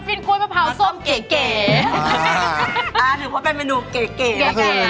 ในเมนูนี้เราจะเอาเนื้อมะพร้าวก็ทำครับ